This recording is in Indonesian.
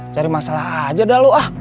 cari masalah aja dah lo ah